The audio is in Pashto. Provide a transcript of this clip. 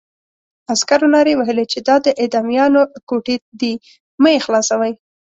عسکرو نارې وهلې چې دا د اعدامیانو کوټې دي مه یې خلاصوئ.